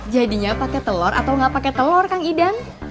jadinya pakai telur atau nggak pakai telur kang idam